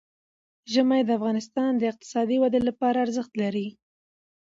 ژمی د افغانستان د اقتصادي ودې لپاره ارزښت لري.